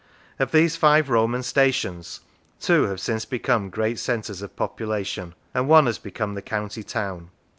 Of these five Roman stations two have since become great centres of population, and one has become the county town.